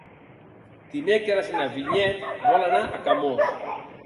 Dimecres na Vinyet vol anar a Camós.